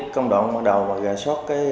công đoạn bắt đầu gà sót